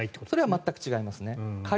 それは全く違います。